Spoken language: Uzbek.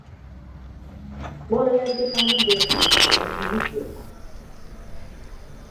bolalarga ta’lim berishdan afzal yumush yo‘q.